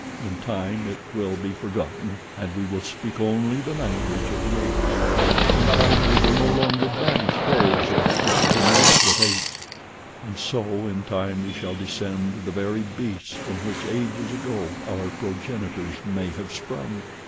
In time it will be forgotten, and we will speak only the language of the apes; in time we will no longer banish those of our people who mate with apes, and so in time we shall descend to the very beasts from which ages ago our progenitors may have sprung."